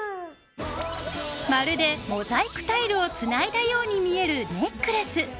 まるでモザイクタイルをつないだように見えるネックレス。